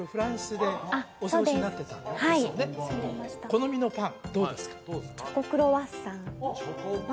好みのパンどうですか？